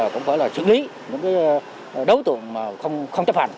cũng phải xử lý những đối tượng không chấp hành